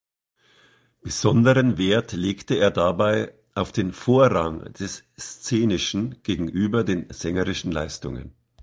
Besonderen Wert legte er dabei auf den Vorrang des Szenischen gegenüber den sängerischen Leistungen.